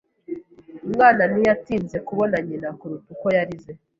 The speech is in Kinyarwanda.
Umwana ntiyatinze kubona nyina kuruta uko yarize.